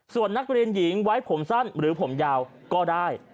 ส่วนนักเรียนหญิงไว้ผมสั้นหรือผมยาวก็ได้